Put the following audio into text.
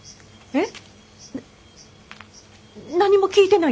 えっ？